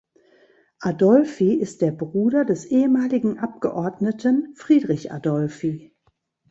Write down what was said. Adolphi ist der Bruder des ehemaligen Abgeordneten Friedrich Adolphi.